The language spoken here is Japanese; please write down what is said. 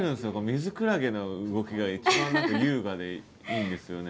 ミズクラゲの動きが一番優雅でいいんですよね。